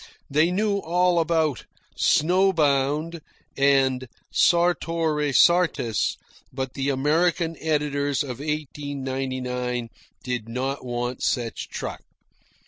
They knew all about "Snow Bound" and "Sartor Resartus"; but the American editors of 1899 did not want such truck.